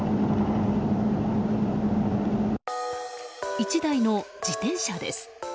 １台の自転車です。